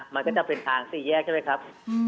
มันก็จะเป็นทางสี่แยกใช่ไหมครับ